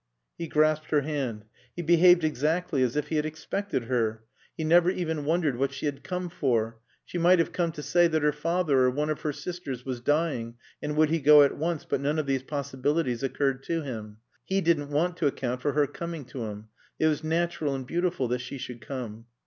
He grasped her hand. He behaved exactly as if he had expected her. He never even wondered what she had come for. She might have come to say that her father or one of her sisters was dying, and would he go at once; but none of these possibilities occurred to him. He didn't want to account for her coming to him. It was natural and beautiful that she should come.